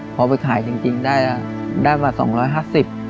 พอไปขายจริงได้มา๒๕๐บาท